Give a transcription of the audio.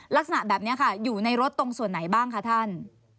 ลักษณะแบบนี้ค่ะอยู่ในรถตรงส่วนไหนบ้างคะท่าน